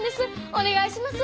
お願いします！